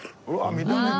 見た目も。